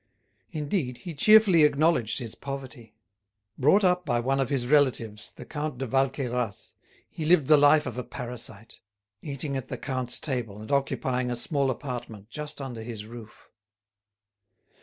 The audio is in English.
Indeed, he cheerfully acknowledged his poverty. Brought up by one of his relatives, the Count de Valqueyras, he lived the life of a parasite, eating at the count's table and occupying a small apartment just under his roof.